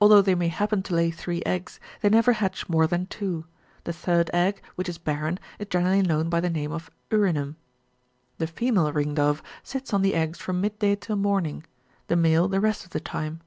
Although they may happen to lay three eggs, they never hatch more than two ; the third egg, which is barren, is generally known by the name of ^'urinum." ^ The female ring dove sits on the eggs from mid day till morning, the male the rest of the time.